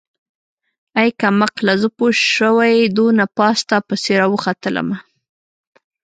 ای کمقله زه پوشوې دونه پاس تاپسې راوختلمه.